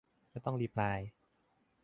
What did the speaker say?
ไม่ต้องรีพลาย